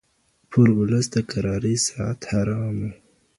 پر اولس د کرارۍ ساعت حرام و